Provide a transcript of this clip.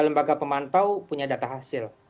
lembaga pemantau punya data hasil